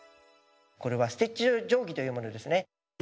これはステッチ定規というものですね。